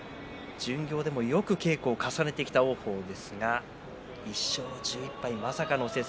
巡業でも、よく稽古を重ねてきた王鵬ですが１勝１１敗まさかの成績。